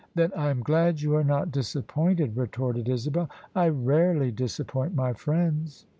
"Then I am glad you are not disappointed," retorted Isabel :" I rarely disappoint my friends."